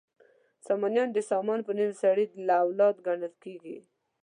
سامانیان د سامان په نوم سړي له اولاده ګڼل کیږي.